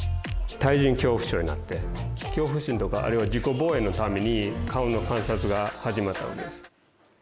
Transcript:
対人恐怖症になって、恐怖心とか自己防衛のために顔の観察が始まったんです。